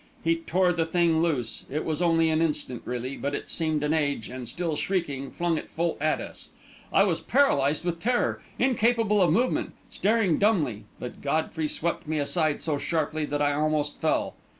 He tore the thing loose it was only an instant, really, but it seemed an age and, still shrieking, flung it full at us. I was paralysed with terror, incapable of movement, staring dumbly but Godfrey swept me aside so sharply that I almost fell.